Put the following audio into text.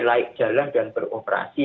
laik jalan dan beroperasi